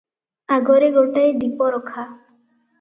ଆଗରେ ଗୋଟାଏ ଦୀପରଖା ।